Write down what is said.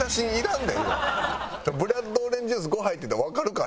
「ブラッドオレンジジュース５杯」って言ったらわかるから。